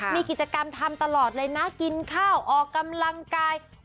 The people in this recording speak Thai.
มีกิจกรรมทำตลอดเลยนะกินข้าวออกกำลังกาย